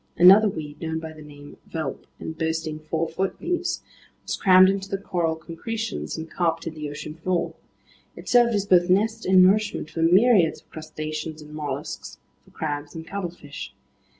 Another weed, known by the name velp and boasting four foot leaves, was crammed into the coral concretions and carpeted the ocean floor. It served as both nest and nourishment for myriads of crustaceans and mollusks, for crabs and cuttlefish.